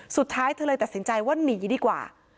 สุดท้ายเธอเลยตัดสินใจว่าหนีดีกว่า